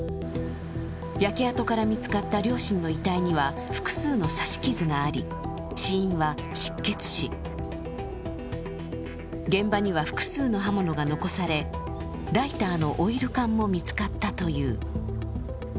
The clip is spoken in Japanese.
焼け跡から見つかった両親の遺体には複数の刺し傷があり、死因は失血死現場には複数の刃物が残されライターのオイル缶も見つかったという。